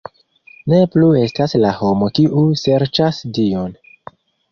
Ne plu estas la homo kiu serĉas Dion!